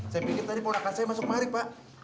saya pikir tadi ponakan saya masuk mari pak